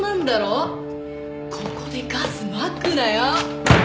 ここでガスまくなよ